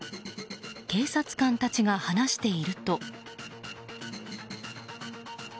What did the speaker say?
警察官たちが話していると。